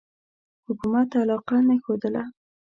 حکومت علاقه نه ښودله.